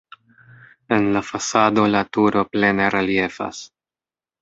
En la fasado la turo plene reliefas.